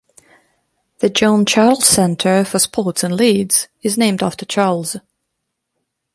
The John Charles Centre for Sport in Leeds is named after Charles.